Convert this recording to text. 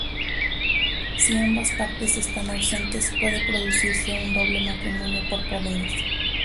Si ambas partes están ausentes puede producirse un doble matrimonio por poderes.